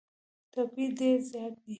توپیر ډېر زیات دی.